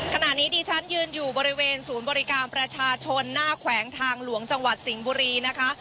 ขณะนี้ดิฉันยืนอยู่บริเวณศูนย์บริการประชาชนหน้าแขวงทางหลวงจังหวัดสิงห์บุรีนะคะ